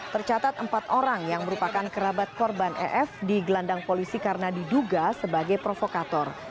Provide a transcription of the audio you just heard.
tercatat empat orang yang merupakan kerabat korban ef digelandang polisi karena diduga sebagai provokator